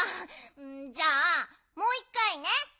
じゃあもういっかいね。